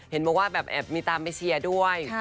เห็นบอกว่าแบบแอบมีตามไปเชียร์ด้วย